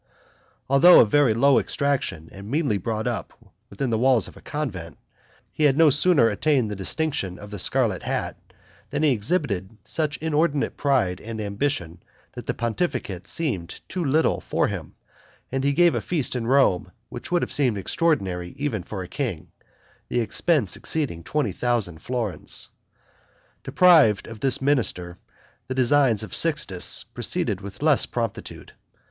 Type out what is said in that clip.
Although of very low extraction, and meanly brought up within the walls of a convent, he had no sooner attained the distinction of the scarlet hat, than he exhibited such inordinate pride and ambition, that the pontificate seemed too little for him, and he gave a feast in Rome which would have seemed extraordinary even for a king, the expense exceeding twenty thousand florins. Deprived of this minister, the designs of Sixtus proceeded with less promptitude.